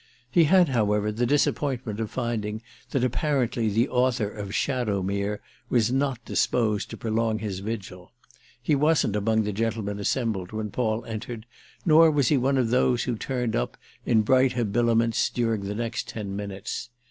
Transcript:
He had, however, the disappointment of finding that apparently the author of "Shadowmere" was not disposed to prolong his vigil. He wasn't among the gentlemen assembled when Paul entered, nor was he one of those who turned up, in bright habiliments, during the next ten minutes.